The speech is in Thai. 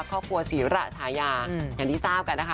ครอบครัวศรีระชายาอย่างที่ทราบกันนะคะ